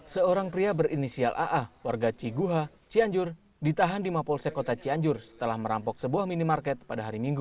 seorang pria berinisial aa warga ciguha cianjur ditahan di mapolsekota cianjur setelah merampok sebuah minimarket pada hari minggu